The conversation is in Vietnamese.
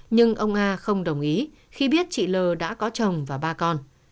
nhưng ông nga không đồng ý khi biết chị lờ đã có chồng và ba con